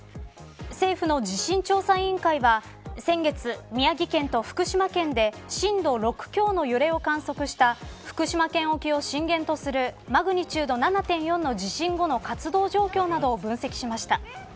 政府の地震調査委員会は先月、宮城県と福島県で震度６強の地震を観測した福島県沖を震源とするマグニチュード７．４の地震後の活動状況などを分析しました。